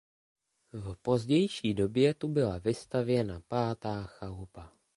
V pozdější době tu byla vystavěna pátá chalupa.